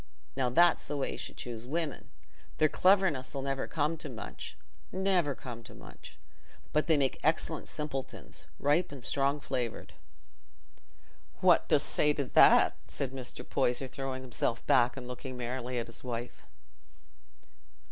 Now, that's the way you should choose women. Their cleverness 'll never come to much—never come to much—but they make excellent simpletons, ripe and strong flavoured." "What dost say to that?" said Mr. Poyser, throwing himself back and looking merrily at his wife.